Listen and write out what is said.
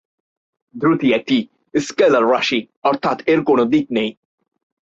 দ্রুতি একটি স্কেলার রাশি; অর্থাৎ এর কোনো দিক নেই।